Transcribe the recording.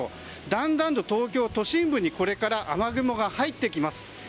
だんだんと東京都心部にこれから雨雲が入ってきます。